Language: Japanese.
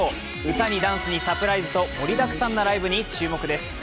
歌にダンスにサプライズと盛りだくさんなライブに注目です